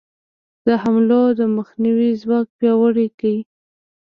د حملو د مخنیوي ځواک پیاوړی کړي.